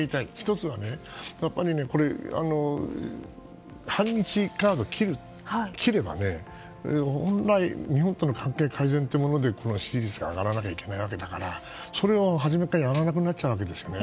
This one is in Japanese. １つは反日カードを切れば本来、日本との関係改善というもので支持率が上がらなきゃいけないわけですけどそれをやらなくなっちゃうわけですよね。